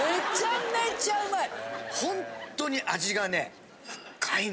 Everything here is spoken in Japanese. ほんとに味がね深いの。